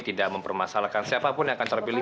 tidak mempermasalahkan siapapun yang akan terpilih